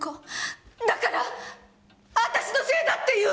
だから私のせいだって言うの！